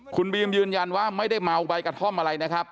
คุณบีมยืนยันว่าไม่ได้เมาใบกระท่อมอะไรนะครับ